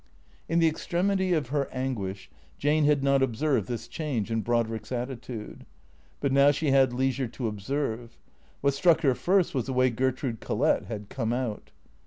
In the extremity of her anguish Jane had not observed this change in Brodrick's attitude. But now she had leisure to observe. What struck her first was the way Gertrude Collett had come out.